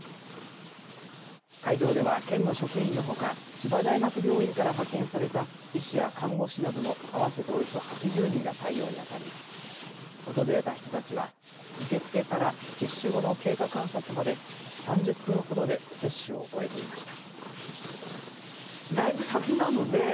会場では県の職員のほか千葉大学病院から派遣された医師や看護師などの合わせておよそ８０人が対応に当たり訪れた人たちは受け付けから接種後の経過観察まで３０分ほどで接種を終えていました。